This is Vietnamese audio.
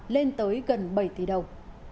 lên tới gần bảy tỷ đồng